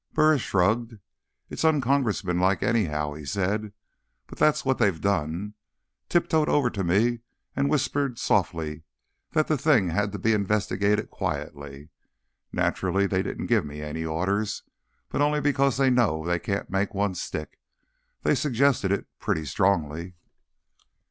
Burris shrugged. "It's un congressman like, anyhow," he said. "But that's what they've done. Tiptoed over to me and whispered softly that the thing has to be investigated quietly. Naturally, they didn't give me any orders—but only because they know they can't make one stick. They suggested it pretty strongly."